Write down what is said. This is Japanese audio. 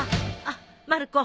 あっまる子